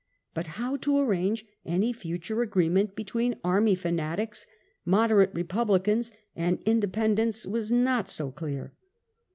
But how the army to arrange any future agreement between army leaden. fanatics, moderate Republicans, and Indepen dents was not so clear.